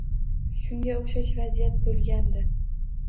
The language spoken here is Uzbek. Shunga o‘xshash vaziyat bo‘lgandi